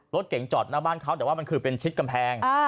รถเก่งจอดหน้าบ้านเขาแต่ว่ามันคือเป็นชิดกำแพง